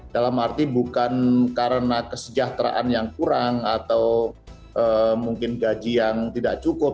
dalam arti bukan karena kesejahteraan yang kurang atau mungkin gaji yang tidak cukup